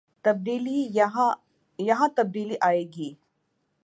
یہاں تبدیلی آئے گی۔